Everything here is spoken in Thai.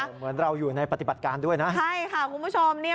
เหมือนเราอยู่ในปฏิบัติการด้วยนะใช่ค่ะคุณผู้ชม